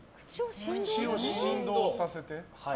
口を振動させて？